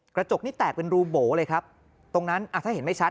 กระจกนี้แตกเป็นรูโบ๋เลยครับตรงนั้นอ่ะถ้าเห็นไม่ชัด